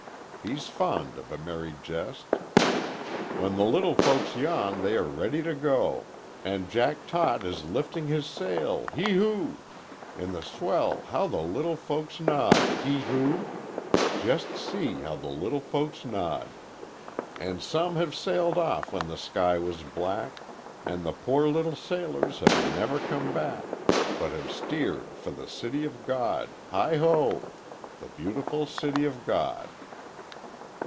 He's fond of a merry jest. 'When the little folks yawn they are ready to go, And Jack Tot is lifting his sail Hee hoo! In the swell how the little folks nod He hoo! Just see how the little folks nod. 'And some have sailed off when the sky was black, And the poor little sailors have never come back, But have steered for the City of God Heigh ho! The beautiful City of God!"